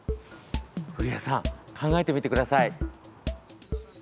古谷さん、考えてみてください。